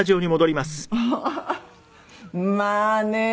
まあね